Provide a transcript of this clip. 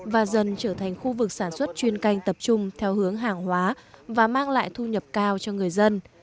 và dần trở thành khu vực sản xuất chuyên canh tập trung theo hướng hàng hóa và mang lại thu nhập cao cho người dân